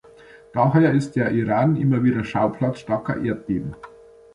Daher ist der Iran immer wieder Schauplatz starker Erdbeben.